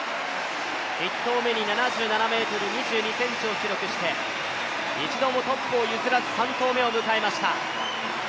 １投目に７７ｍ２２ｃｍをマークして一度もトップを譲らず３投目を迎えました。